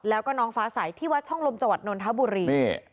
แล้วก็น้องฟ้าใสที่วัดช่องลมจังหวัดนนทบุรีนี่